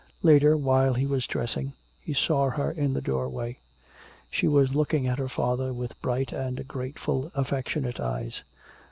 Later, while he was dressing, he saw her in the doorway. She was looking at her father with bright and grateful, affectionate eyes.